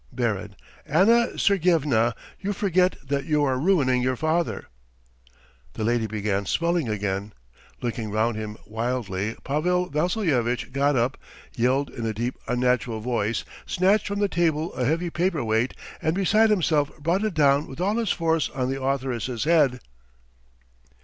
BARON: Anna Sergyevna, you forget that you are ruining your father .... The lady began swelling again. ... Looking round him wildly Pavel Vassilyevitch got up, yelled in a deep, unnatural voice, snatched from the table a heavy paper weight, and beside himself, brought it down with all his force on the authoress's head.